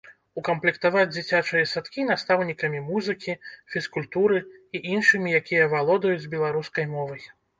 Укамплектаваць дзіцячыя садкі настаўнікамі музыкі, фізкультуры і іншымі, якія валодаюць беларускай мовай.